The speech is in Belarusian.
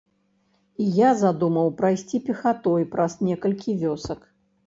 І я задумаў прайсці пехатой праз некалькі вёсак.